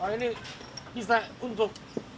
ini bisa untuk